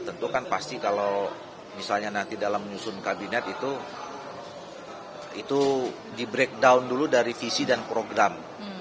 tentu kan pasti kalau misalnya nanti dalam menyusun kabinet itu itu di breakdown dulu dari visi dan program